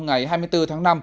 ngày hai mươi bốn tháng năm